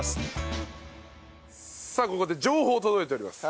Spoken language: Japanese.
さあここで情報届いております。